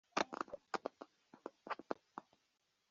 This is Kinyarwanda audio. izo ndirimbo zimubwira ziti ’na nyoko yari umugore